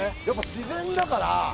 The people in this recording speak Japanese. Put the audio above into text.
やっぱ自然だから。